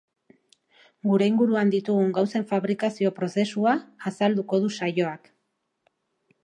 Gure inguruan ditugun gauzen fabrikazioa prozesua azalduko du saioak.